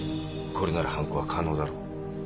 これなら犯行は可能だろ。